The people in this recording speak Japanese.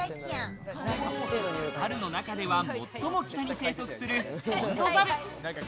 猿の中では、最も北に生息するホンドサル。